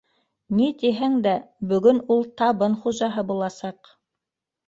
Ни тиһәң дә, бөгөн ул табын хужаһы буласаҡ.